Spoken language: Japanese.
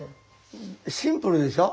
シンプルでしょ？